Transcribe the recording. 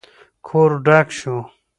کور ډک شو.